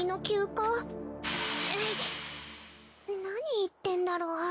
何言ってんだろう。